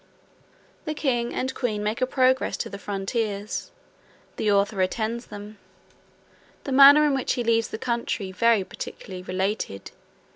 The king and queen make a progress to the frontiers. The author attends them. The manner in which he leaves the country very particularly related.